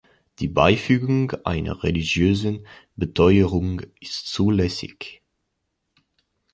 Die Beifügung einer religiösen Beteuerung ist zulässig.